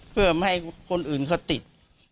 เพื่อไม่ให้คนอื่นเขาติด